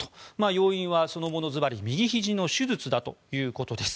要因はずばり、その後の右ひじの手術だということです。